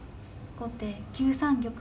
後手９三玉。